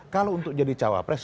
kalau untuk jadi cawapres